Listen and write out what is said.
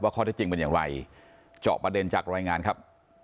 ข้อที่จริงเป็นอย่างไรเจาะประเด็นจากรายงานครับ